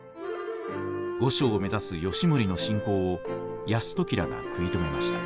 御所を目指す義盛の進攻を泰時らが食い止めました。